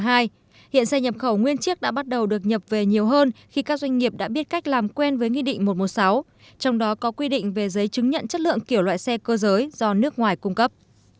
hiện xe nhập khẩu nguyên chiếc đã bắt đầu được nhập về nhiều hơn khi các doanh nghiệp đã biết cách làm quen với nghị định một trăm một mươi sáu trong đó có quy định về giấy chứng nhận chất lượng kiểu loại xe cơ giới do nước ngoài cung cấp